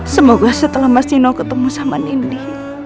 semoga setelah mas dino ketemu sama nindi